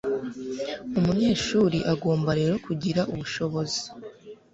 Umunyeshuri agomba rero kugira ubushobozi